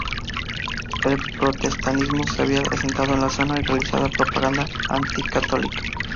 El protestantismo se había asentado en la zona y realizaba propaganda anticatólica.